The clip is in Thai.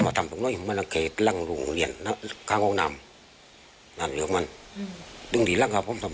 นามนี้ลงไม่ยอมเลยลงออกจากภูมิที่หมา